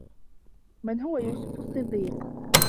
من هو يوسف الصديق؟